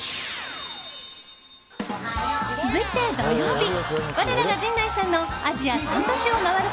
続いて土曜日、我らが陣内さんのアジア３都市を回る